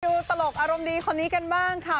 ตลกอารมณ์ดีคนนี้กันบ้างค่ะ